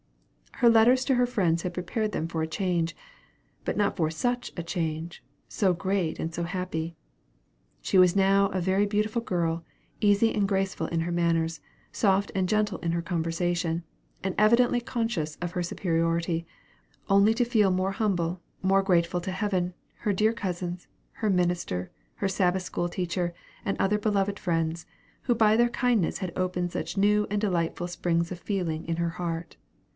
Her letters to her friends had prepared them for a change, but not for such a change so great and so happy. She was now a very beautiful girl, easy and graceful in her manners, soft and gentle in her conversation, and evidently conscious of her superiority, only to feel more humble, more grateful to Heaven, her dear cousins, her minister, her Sabbath school teacher, and other beloved friends, who by their kindness had opened such new and delightful springs of feeling in her heart.